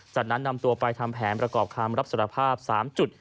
จากนั้นนำตัวไปทำแผนประกอบคำรับสารภาพ๓จุด